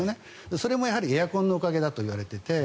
それもやはりエアコンのおかげだといわれていて。